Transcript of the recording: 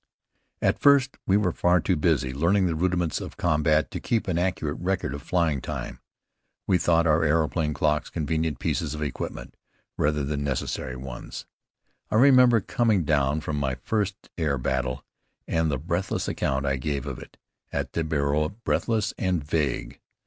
At first we were far too busy learning the rudiments of combat to keep an accurate record of flying time. We thought our aeroplane clocks convenient pieces of equipment rather than necessary ones. I remember coming down from my first air battle and the breathless account I gave of it at the bureau, breathless and vague.